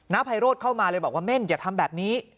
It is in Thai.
ไพโรธเข้ามาเลยบอกว่าเม่นอย่าทำแบบนี้